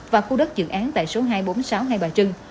và khu đất dự án tại số hai trăm bốn mươi sáu hai bà trưng